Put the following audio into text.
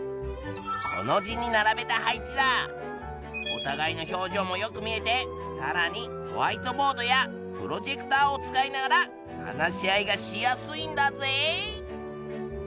おたがいの表情もよく見えてさらにホワイトボードやプロジェクターを使いながら話し合いがしやすいんだぜ！